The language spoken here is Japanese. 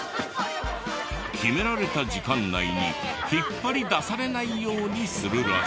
決められた時間内に引っ張り出されないようにするらしい。